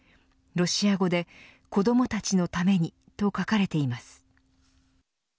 ロシア語で子どもたちのためにと書かれています。